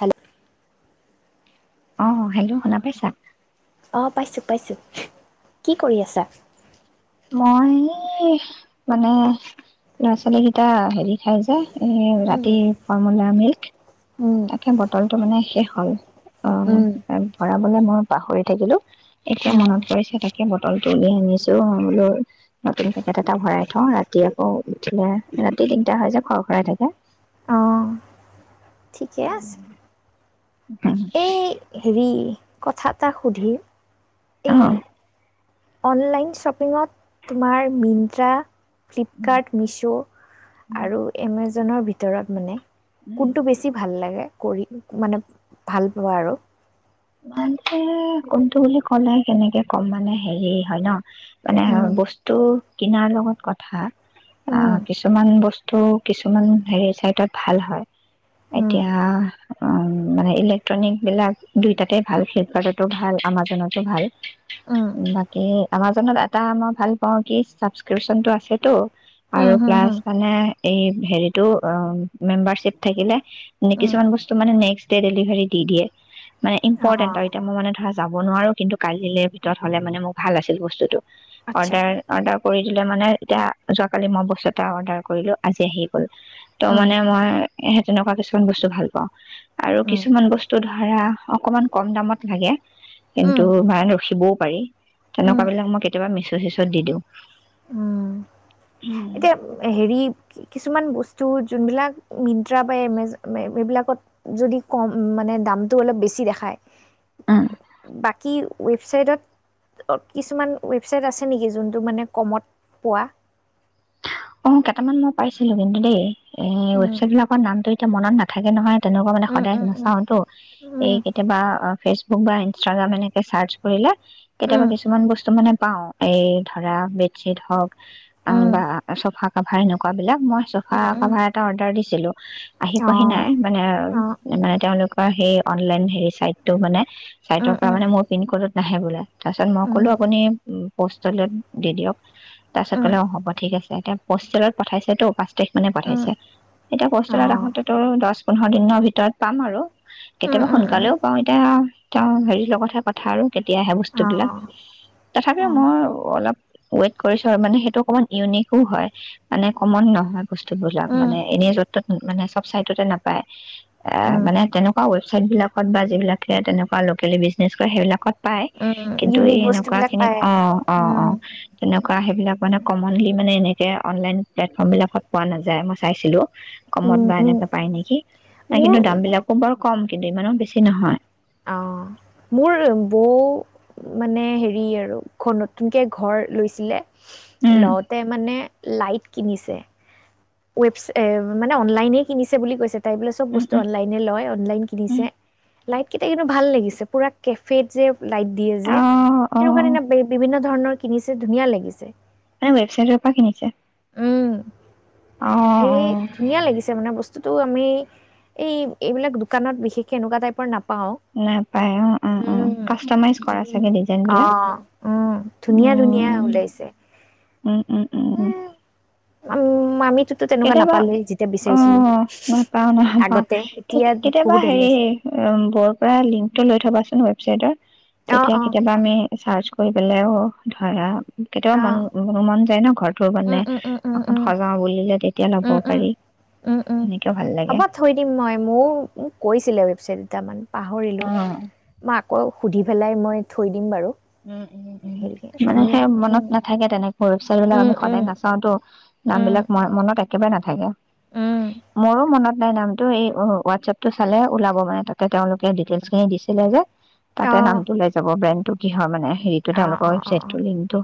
Hello আহ, hello শুনা পাইছা? অঁ পাইছোঁ পাইছোঁ, কি কৰি আছা? মই মানে ল'ৰা ছোৱালী কেইটা হেৰি খাই যে এ উম ৰাতিপুৱা মানে আমি উম তাকে বটলটো মানে শেষ হল, উম। আহ, ভৰাবলে মোৰ পাহৰি থাকিলোঁ এতিয়া অঁ মনত পৰিছে তাকে বটলটো উলি আনিছোঁ মই বোলো নতুন পেকেট এটা ভৰাই থওঁ ৰাতি আকৌ উঠিলে ৰাতি তিনটা হৈ যে খৰ খৰাই থাকে। অঁ ঠিকে আছে। এই হেৰি কথা এটা সুধিম অ এই অনলাইন শ্বপিঙত তোমাৰ মিনট্ৰা, ফ্লিপকাৰ্ট, মিছ' আৰু এমেজন, জনৰ ভিতৰত মানে, কোনটো বছি ভাল লাগে, কৰি মানে ভাল পোৱা আৰু কোনটো বুলি ক'লে কেনেকে কম মানে হেৰি হয় ন মানে উম বস্তু কিনাৰ লগত কথা উম কিছুমান বস্তু কিছুমান হেৰি চাইটত ভাল হয় উম এতিয়া মানে ইলেক্ট্ৰনিক বিলাক দুইটাতে ভাল ফ্লিপকাৰ্টতো ভাল আমাজনতো ভাল উম বাকী আমাজনত এটা মই ভাল পাওঁ কি ছাবস্ক্ৰিপচনটো আছেতো, উম আৰু হুম প্লাছ হুম মানে, এই হেৰিটো আম, মেমবাৰশ্বীপ থাকিলে নে উম কিছুমান বস্তু মানে নেক্সট দে ডেলিভাৰী দি দিয়ে। মানে ইম্পৰ্টেণ্ট অঁ আৰু এতিয়া, মোৰ মানে ধৰা যাব নোৱাৰোঁ, কিন্তু কালিলৈ ভিতৰত হ'লে মানে মোক ভাল আছিল বস্তুটো। আচ্ছা অৰ্ডাৰ, অৰ্ডাৰ কৰি দিলে মানে এতিয়া যোৱাকালি মই বস্তু এটা অৰ্ডাৰ কৰিলোঁ, আজি আহি গ'ল। ত' উম মানে মই এ সেই তেনেকুৱা কিছুমান বস্তু ভাল পাওঁ আৰু উম কিছুমান বস্তু ধৰা অকমান কম দামত লাগে, উম কিন্তু মান ৰখিবও পাৰি, উম তেনেকুৱা বিলাক মই কেতিয়াবা মিছ' চিচ'ত দি দিওঁ। উম এতিয়া হেৰি, কিছুমান বস্ত টো যোনবিলাক মিন্ত্ৰা বা এমেজ, এইবিলাকত যদি কম, মানে দামটো অলপ বেছি দেখায়। উম, বাকী ৱেবছাইটত, কিছুমান ৱেবছাইট আছে নেকি? যোনটো মানে কমত পোৱা। অ', কেটামান মই পাইছিলোঁ কিন্তু দেই। এ, ৱেবচাইট বিলাকৰ নামটো এতিয়া মনত নাথাকে নহয়। তেনেকুৱা মানে সদায় নাচাওঁটো, এই কেতিয়াবা ফেচ বুক বা ইনষ্টাগ্ৰাম এনেকে চাৰ্চ কৰিলে কেতিয়াবা কিছুমান বস্তু মানে পাওঁ, এই ধৰা বেডচীট হওঁক অ বা ফৌচা কভাৰ এনেকুৱা বিলাক মই চৌফা কভাৰ এটা অৰ্ডাৰ দিছিলো আহি পোৱা হি নাই মানে তেওঁ সেই, অনলাইন সেই চাইডটো মানে, চাইটৰ পৰা মোৰ পিন ক'ডত নাহে বোলে। তাৰ পিছত কলো আপুনি পোচটেলত দি দিওঁক তাৰ পিছত কলে অঁ অ' ঠিক আছে। [unintelligible] তেখ মানে পঠিয়াইছে এতিয়া বন্তত আহোতো পোন্ধৰ দিনৰ ভিতৰত পাম আৰু। কেতিয়াবা সোনকালেই পাওঁ এতিয়া। কাৰণ হেৰী লগত হে কথা আৰু। কেতিয়া আহে বস্তু বিলাক, তথাপিও মই অলপ। ওৱেট কৰিছোঁ মানে হেতু অকণমান উনিক হয়, মানে কমত নহয় বস্তু বিলাক মানে এনেই যত তত মানে চব চাইদতে নাপায় এ অঁ মানে তেনে অ ৱেবছাইত বিলাকত বা যিবিলাক তেনেকুৱা লোকেলি বুইছনেছ কৰে সেই বিলাকত পায় কিন্তু এই ইউনিক এনেকুৱা বস্তুবিলাক খিনি পায় অ অ উম মানে কমল লি মানে এনেকে অনলাইন প্লেট ফ্ৰম বিলাকত পোৱা নাযায় মই চাইছিলোঁ কমত উম বা উম এনেকে পাই নেকি, কিন্তু দাম মোৰ বিলাকো বাৰু কম কিন্তু ইমানো বেছি নহয় অঁ মোৰ বও মানে হেৰি আৰু নতুনকে ঘৰ লৈছিলে উম লওঁতে মানে লাইট কিনিছে, ৱেপছ মানে অনলাইনে কিনিছে বুলি কৈছে তাইবোলে চব উম বস্তু উম অনলাইন লৈয় অনলাইন উম কিনিছে লাইট কেইটা কিন্তু ভাল লাগিছে কেফেত যে লাইট দিয়ে অ যে সেইকোৱা অ ধৰণৰ বিভিন্ন ধৰণৰ কিনিছে ধুনীয়া লাগিছে তাই ৱেবছাইটৰ পৰা কিনিছে উম, অ অ সেটো আমি এই এইবিলাক দোকানত বিশেষকে এনেকুৱা টাইপৰ নাপাওঁ নাপায় অ উম উম কাষ্টমছ কৰা চাগে ধুন- ডিজাইন বিলাক, অ', উম, ধুনীয়া ধুনীয়া উম ওলাইছে। উম উম উম উম্মামিক কেতিয়াবা অ নাপাও নাপাও আগতে এতিয়া কেতিয়াবা বহুত ভাল হেৰি লাগিছে। বৰ পৰা লিংকটো লৈ থবা ৱেবছাইটৰ অ', তেতিয়া অ', কেতিয়াবা আমি চাৰ্চ কৰি পেলাইও অ ধৰা কেতিয়াবা মন অ', হ'ম মন যায় ন ঘৰত টো মানে উম, উম, উম, উম, অকন উম, সজাওঁ বুলিলে। তেতিয়া ল'ব উম উম পাৰি, উম উম তেনেকেও ভাল লাগে। হ'ব থৈ দিম মই মোৰ মোক কৈছিলে। [unintelligible] [unintelligible] পাহৰিলো অ', মই আকৌ সুধি পেলাই মই থৈ দিম বাৰু উম! উম! উম! হেৰিকে মানে ধুনীয়া সেই মনত উম, নাথাকে তেনেকে, ৱেবছাইট বিলাক উম, আমি উম, সদায় নাচাওটো নাম উম, বিলাক মই মনত কেবাৰে নাথাকে, উম, মোৰো মনত নাই নামটো এই অহ হোৱাটছএপ টো চালে ওলাব মানে তাতে তেওঁলোকে ডিটেইলচ খিনি দিছিলে যে, তাতে অ', নামটো লৈ যাব ব্ৰেন কিহৰ মানে? হেৰিটো অ', তেওঁলোকৰ অ', অ', ৱেবচাইটোৰ অ', লিংকটো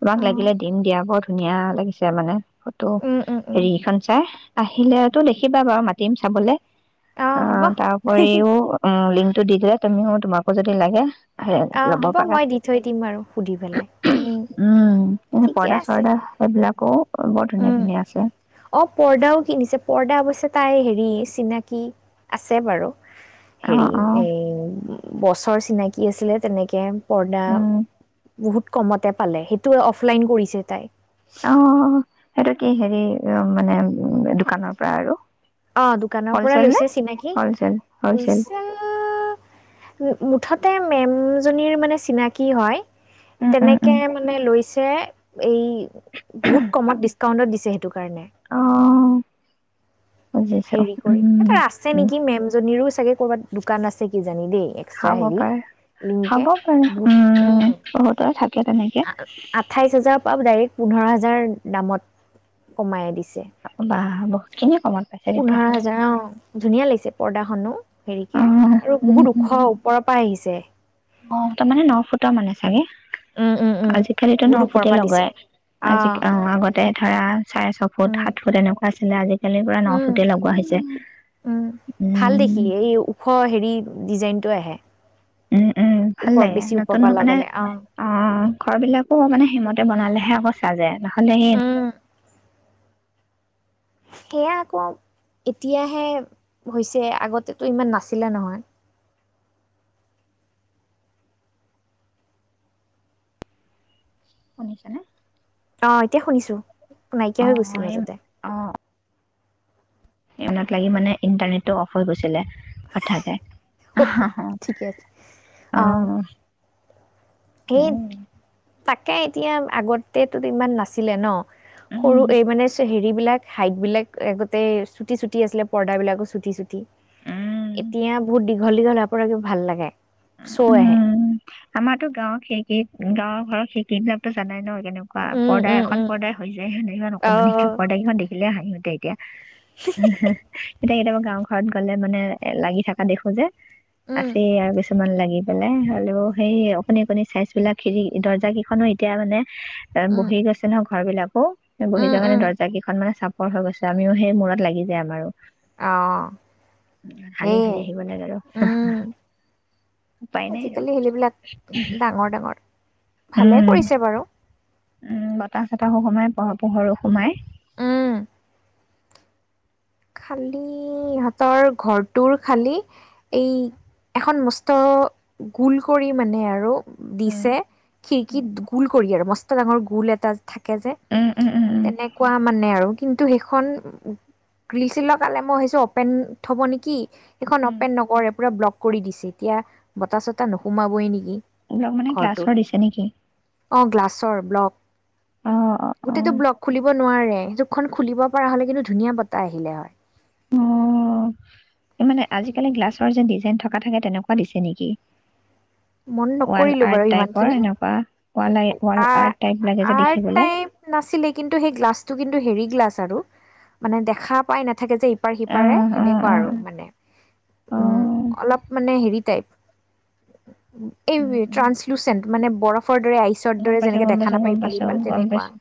তোমাক অ লাগিলে দিম দিয়া [unintelligible] ধুনীয়া লাগিছে মানে ফটো উম, উম, উম, হেৰি ইখন চা আহিলেতো দেখিবা বাৰু মাতিম চাবলে অ', তাৰ উপৰিও উম, লিং টো দি দিলে তুমিও তোমাকো যদি লাগে অ', ল'ব হ'ব পাৰা মই দি থৈ দিম আৰু সুধি পেলাই, উম, উ এনে ঠিকে পৰ্দা আছে। চৰ্দা [unintelligible] উম, ধুনীয়া আছে। অ', পৰ্দাও কিনিছে পৰ্দা অৱশ্যে তাই হেৰি চিনাকি আছে বাৰু হেৰি অ', অ', এই বছৰ চিনাকি আছিলে তেনেকে। পৰ্দা উম, বহুত কমতে পালে সেইটো অফলাইন কৰিছে তাই। অ'। সেইটো কি হেৰি মানে উ দোকানৰ পৰা আৰু অ' দোকানৰ পৰায়ে হ'লচেল নে? লৈছে চিনাকি হ'লচেল হ'লচেল হোলচেল মুঠতে মেমজনীৰ মানে চিনাকী হয়। উম, উম, তেনেকে উম, মানে লৈছে। তে এই বহুত কমত ডিচকাউণ্টত দিছে সেইটো কাৰণে অ', বুজিছো হেৰি কৰি। ইয়াতে উম। আছে উম, নেকি মেমজনীৰো। চাগে কৰৰবাত দোকান আছে কি। জানে দে। এক্সট্ৰা খাব হেৰী। পাৰে [unintelligible] খাব কে। পাৰে উম, উম্। বহুতৰে থাকে তেনেকে। আঠাইশ হাজাৰৰ পৰা ডাইৰেক্ট। পোন্ধৰ হাজাৰ দামত কমাই দিছে। বাহ। বহুতখিনিয়ে কমত পাইছে দে। পোন্ধৰ হাজাৰ অ'। ধুনীয়া লাগিছে পৰ্দাখনো। হেৰিকে অ', আৰু উম, বহুত উম, ওখ ওপৰ। পাই আহিছে। অ' তাৰমানে ন ফুটৰ মানে চাগে। উম উম উম আজিকালিতো ন বহুত ওপৰৰ ফুটে পৰা দিছে লগায়। আজিক অ আগতে ধৰা চাৰে ছ ফুট উম সাত ফুট এনেকুৱা আছিলে আজিকালি পোৰা ন উম ফুটে লগোৱা হৈছে। উম ‌ ভাল দেখি উম এই ওখ হেৰি ডিজাইনটো আহে উম উম ভাল ওপৰ লাগে বেছি ওপৰৰ নতুন পৰা মানে লগালে অ ঘৰ বিলাকো মানে সেইমতে বনালে সেয়া আকৌ চাযে নহ'লে সেই উম সেয়া আকৌ এতিয়াহে হৈছে আগতেতো ইমান নাছিলে নহয়। শুনিছানে অ এতিয়া শুনিছো নাইকিয়া অ হৈ গৈছিল মাজতে এনত লাগি মানে ইণ্টাৰনেটটো অফ হৈ গৈছিলে হঠাতে অ ঠিকে আছে অ সেই উম তাকে এতিয়া আগতেতো ইমান নাছিলে ন উম সৰু এই মানে চেহৰি হেৰিবিলাক হাইট বিলাক আগতে চুটি চুটি আছিলে পৰ্দা বিলাকো চুটি চুটি উম এতিয়া বহুত দীঘল দীঘল ভাল লাগে। শ্ব'' আহে উম, আমাৰতো গাঁৱত সেইক গাঁৱৰ ঘৰত সেইকেইদিনত জানাই ন তেনেকুৱা উম পৰ্দা উম এখন উম পৰ্দায় হৈ যায় হয় নাই ইমান অ অকণমানিকে পৰ্দা কিখন দেখি ভাবিলে হাঁহি উঠে এতিয়া হিহি এতিয়া কেতিয়াবা গাঁও ঘৰত গ'লে মানে এ লাগি থকা দেখো যে উম আছে আৰু বেছি ভাল লাগিছিলে হ'লেও সেই অকণি অকণি চাইজ বিলাক হেৰি দৰ্জা কিখনো এতিয়া মানে উম বহি গৈছে নহ ঘৰবিলাকো এই বহি উম যোৱা কাৰনে উম দৰ্জা কিখন মানে চাপ চাপৰ হৈ গৈছে আমিও সেই মুৰত লাগি যায় আমাৰো অ' হালি হৈয়ে হালি আহিব লাগে আৰু উম! উপায় নাই আৰু আজিকালি [unintelligible] ডাঙৰ ডাঙৰ ভালে উম কৰিছে বাৰু উম বতাহ চতাহো সোমাই প পোহৰো সোমাই উম খালি ইহঁতৰ ঘৰটোৰ খালি এই এখন মস্ত গোল কৰি মানে আৰু দিছে উম খিৰিকীত [unintelligible] গোল কৰি আৰু [inaudible] [unintelligible] ডাঙৰ গোল এটা [inaudible] থাকে যে উম, উম, উম, উম, তেনেকুৱা মানে আৰু, কিন্তু সেইখন [unintelligible] গ্ৰিল চিল লগালে মই ভাবিছোঁ অপেন থ'ব নেকি। এইখন উম, অপেন নকৰে পোৰা ব্লক কৰি দিছে [unintelligible] বতাহ চতাহ নোসোমাবৈ নিকি! [unintelligible] গ্লাছৰ দিছে নেকি [unintelligible] ব্লক অ', অ', গোটেটো অ', ব্লক খুলিব নোৱাৰে, [unintelligible] খুলিব পৰা হলে কিন্তু ধুনীয়া [inaudible] [unintelligible] অ' মানে আজিকালি গ্লাছৰ যে ডিজাইন থকা থাকে তেনেকুৱা দিছে নিকি মন নকৰিলোঁ বাৰু ইমানখিনি এনেকুৱা ৱাল আই- ৱাল আ আৰ্ট টাইপ লাগে যে আৰ্ট দেখিবলৈ। টাইপ নাছিলে কিন্তু সেই গ্লাছটো কিন্তু হেৰী গ্লাছ [unintelligible] মানে দেখা [inaudible] থাকে যে ইপাৰ হিপাৰে অ', অ', সেনেকোৱা অ', আৰু মানে অ', অলপ মানে হেৰি টাইপ [inaudible] এই উম, উম, ট্ৰাঞ্চলুচেণ্ট মানে [unintelligible] [unintelligible] আইচৰ গম দৰে পাইছো, যেনেকে গম দেখা পাইছো, নাপাই গম ইফাল পাইছো, সিফাল গম তেনেকুৱা পাইছো।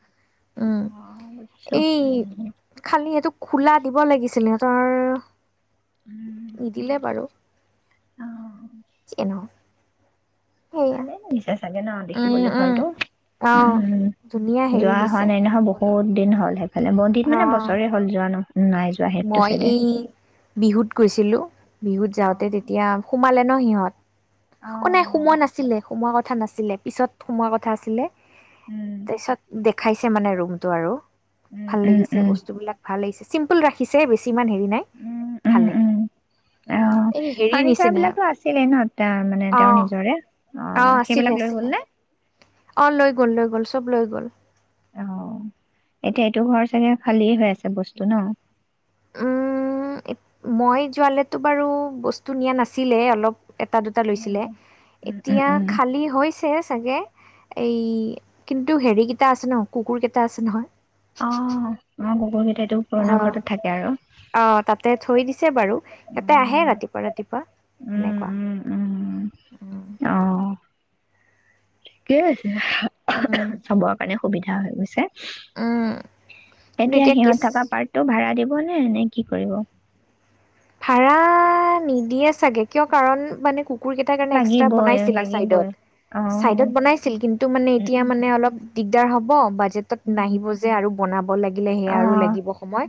উম অ', বুজিছো এই উম, উম, খালি এইটো খোলা দিব লগিছিলে [unintelligible] উম। নিদিলে বাৰু [inaudible] সেয়া ভালেই লাগিছে ভালেই ন উম, দেখিবলে উম, ঘৰটো অহ, উম ধুনীয়া হেৰি যোৱা হোৱা হৈছে নাই নহয় বনৰ। বহুতো দিন হ'ল [inaudible] [unintelligible] অ', বছৰৰ হ'ল যোৱা ন নাই যোৱা সেইটো মই চাইডে এই বিহুত গৈছিলোঁ বিহুত অ যাওঁতে তেতিয়া সোমালে [unintelligible] ন সিহঁত অ', নাই সোমোৱা নাছিলে। সোমোৱা কথা নাছিলে, পিছত সোমোৱা কথা আছিলে। উম পিছত [unintelligible] খাইছে মানে ৰুমটো আৰু। উম ভাল উম লাগিছে উম বস্তুবিলাক, ভাল লাগিছে [unintelligible] ৰাখিছেই বেছি ইমান হেৰি নাই, উম উম ভালে। উম, অ, এই হেৰি ফাৰ্নিচাৰ নিচিনা, বিলাকতো আছিলেই ন তে মানে তেঁওৰ অ', নিজৰে? অ, আছিলে সেইবিলাক লৈ গ'ল আছিলে। নে অ', লৈ গ'ল লৈ গ'ল, চব লৈ গ'ল। অ, এতিয়া এইটো ঘৰ চাগে খালিয়েই হৈ আছে বস্তু ন? উম, এত মই যোৱালেতো বাৰু বস্তু নিয়া নাছিলে অলপ এটা দুটা লৈছিলে, উম উম উম এতিয়া উম খালী হৈছে চাগে। এই, কিন্তু হেৰি কিটা আছে ন, কুকুৰ কেইটা আছে নহয়। অ', মই [unintelligible] হ, অ', তাতে থৈ দিছে বাৰু, ইয়াতে আহে উম ৰাতিপুৱা ৰাতিপুৱা, উম এনেকুৱা, উম উম উম। অ [unintelligible] চবৰ কাৰণে সুবিধা। [unintelligible] কিন্তু তেতিয়া এতিয়া কেচ সিহঁত থকা পাৰ্টটো ভাৰা দিব [unintelligible] এনে কি কৰিব। ভাৰা নিদিয়ে চাগে, কিয় কাৰণ মানে কু কুকুৰ কেইটাৰ কাৰণে এক্সট্ৰা লাগিবই বনাইছিলে লাগিবই চাইডট, অ চাইডট বনাইছিল কিন্তু মানে উম এতিয়া উম মানে অলপ দিকদাৰ হ'ব [unintelligible] [unintelligible] উম নাহিব যে আৰু। [unintelligible] লাগিলে হেয়া অ আৰু লাগিব সময়,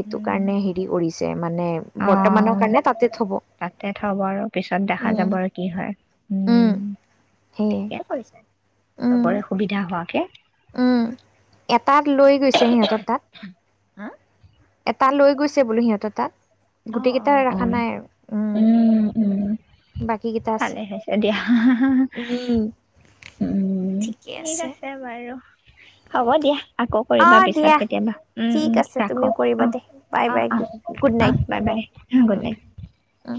হেতু উম কাৰণে হেৰি কৰিছে মানে অ, বৰ্তমানৰ কাৰণে তাতে থ'ব তাতে থব আৰু পিছত দেখা উম যাব আৰু কি হয়, উম, সেয়ে ঠিকে কৰিছে। উম চবৰে সুবিধা হোৱাকে। উম, ইয়াত তাক লৈ গৈছে সিহঁতৰ তাত। উম। এটা লৈ গৈছে বোলো সিহঁতৰ তাত। অ অ গোটেইকেইটা অ ৰাখা নাই আৰু, উম, বাকি ভালে হৈছে দিয়া, হাহা হাহা, উম উম, ঠিক আছে বাৰু। হ'ব দিয়া আকৌ অ কৰিবা দিয়া পিছত কেতিয়াবা উম ঠিক উম আছে ৰাখো তুমিও কৰিবা অ দে বাই অ বাই অ অ good night bye bye good night উম